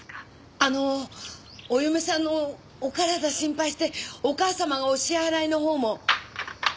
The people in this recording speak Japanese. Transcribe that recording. あのお嫁さんのお体心配してお義母様がお支払いのほうも。